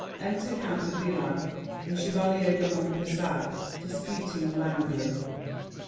[Enter Count de Villac and Chevalier de Montpesat, disputing loudly.